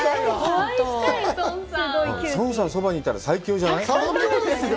孫さんそばにいたら最強じゃない？